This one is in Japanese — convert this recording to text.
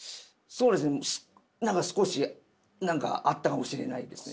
そうですね何か少しあったかもしれないです。